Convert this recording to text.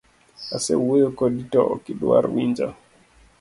Asewuoyo kodi to ok idwar winja.